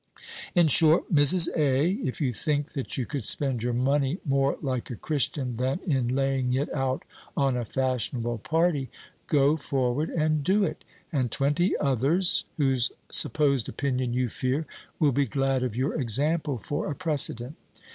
In short, Mrs. A., if you think that you could spend your money more like a Christian than in laying it out on a fashionable party, go forward and do it, and twenty others, whose supposed opinion you fear, will be glad of your example for a precedent.